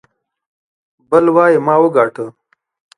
بل وايي ما وګاټه.